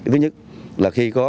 thứ nhất là khi có